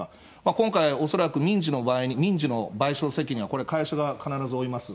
今回、恐らく民事の賠償責任はこれ、会社が必ず負いますよ。